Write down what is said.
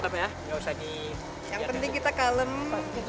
boleh kita lihat